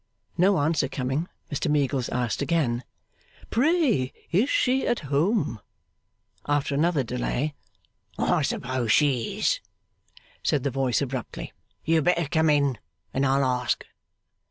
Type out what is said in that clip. No answer coming, Mr Meagles asked again. 'Pray is she at home?' After another delay, 'I suppose she is,' said the voice abruptly; 'you had better come in, and I'll ask.